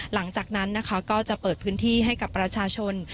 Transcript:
หลังจากนั้นนะคะก็จะเปิดพื้นที่ให้กับประชาชน